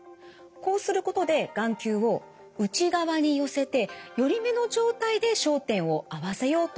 こうすることで眼球を内側に寄せて寄り目の状態で焦点を合わせようとするわけです。